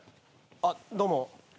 あっどうも。